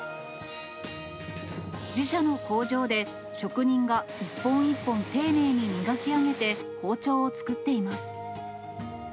自社の工場で、職人が一本一本丁寧に磨き上げて、包丁を作っています。